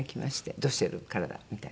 「どうしてる？体」みたいな。